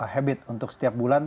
habit untuk setiap bulan